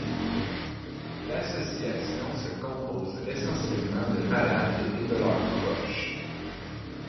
L’association se compose essentiellement de malades et de leurs proches.